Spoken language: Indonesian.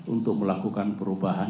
untuk melakukan perubahan